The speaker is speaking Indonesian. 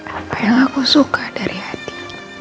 apa yang aku suka dari hati